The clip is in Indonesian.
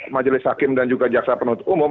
majelis hakim dan juga jaksa penuntut umum